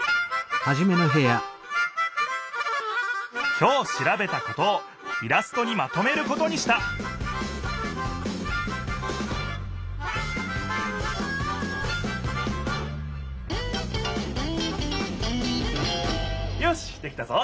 きょうしらべたことをイラストにまとめることにしたよしできたぞ！